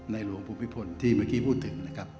หลวงภูมิพลที่เมื่อกี้พูดถึงนะครับ